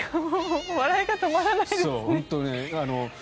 笑いが止まらないですね。